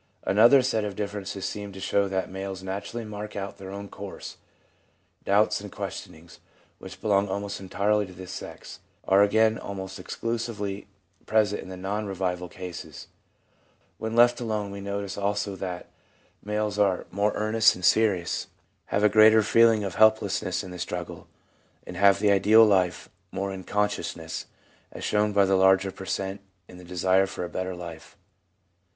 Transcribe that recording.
Another set of differences seems to show that males naturally mark out their own course ; doubts and ques tionings, which belong almost entirely to this sex, are again almost exclusively present in the non revival cases ; when left alone we notice also that males are more earnest and serious, have a greater feeling of help lessness in the struggle, and have the ideal life more in consciousness, as shown by the larger per cent, in the desire for a better life.